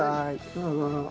どうぞ。